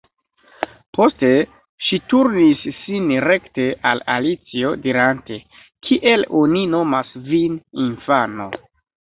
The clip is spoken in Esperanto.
Poste ŝi turnis sin rekte al Alicio, dirante: "Kiel oni nomas vin, infano?"